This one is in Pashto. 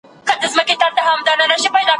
د علم لټون د انسانانو دنده ده.